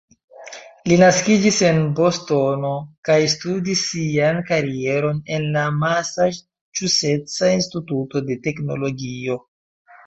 Li naskiĝis en Bostono kaj studis sian karieron en la Masaĉuseca Instituto de Teknologio.